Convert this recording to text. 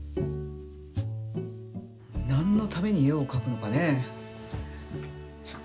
なんのためにえをかくのかね。